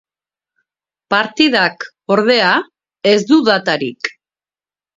Partidak, ordea, ez du datarik.